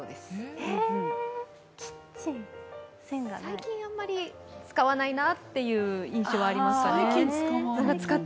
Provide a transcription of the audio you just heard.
最近あんまり使わないなという印象がありますね。